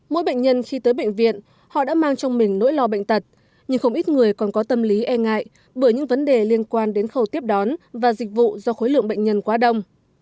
mỗi bệnh nhân khi tới bệnh viện họ đã mang trong mình nỗi lo bệnh tật nhưng không ít người còn có tâm lý e ngại bởi những vấn đề liên quan đến khâu tiếp đón và dịch vụ do khối lượng bệnh nhân quá đông